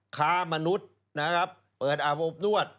ค้ามนุษย์นะครับเปิดอาบอบนวด